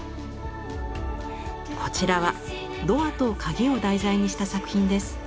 こちらはドアとカギを題材にした作品です。